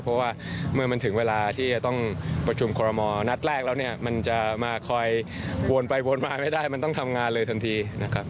เพราะว่าเมื่อมันถึงเวลาที่จะต้องประชุมคอรมอลนัดแรกแล้วเนี่ยมันจะมาคอยวนไปวนมาไม่ได้มันต้องทำงานเลยทันทีนะครับ